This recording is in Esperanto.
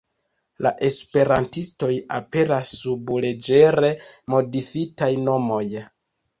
La esperantistoj aperas sub leĝere modifitaj nomoj.